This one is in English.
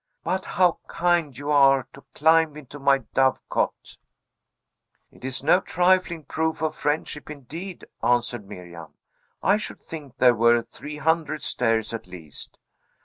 But how kind you are to climb into my dove cote!" "It is no trifling proof of friendship, indeed," answered Miriam; "I should think there were three hundred stairs at least."